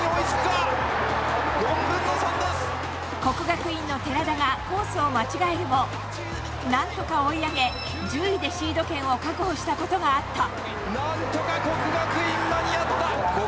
國學院の寺田がコースを間違えるも何とか追い上げ、１０位でシード権を確保したことがあった。